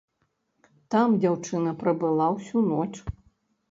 Там дзяўчына прабыла ўсю ноч.